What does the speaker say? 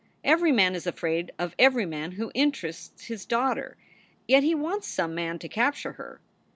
Every man is afraid of every man who interests his daughter. Yet he wants some man to capture her.